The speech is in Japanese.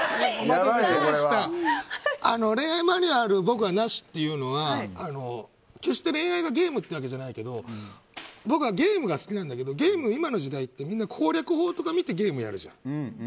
恋愛マニュアル僕は、なしっていうのは決して恋愛がゲームというわけじゃないけど僕はゲームが好きだけど今の時代ゲームってみんな攻略法とかを見てゲームをやるじゃん。